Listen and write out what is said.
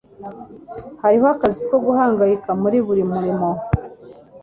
Hariho akazi ko guhangayika muri buri murimo.